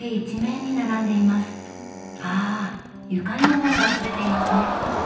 あ床にも本があふれていますね。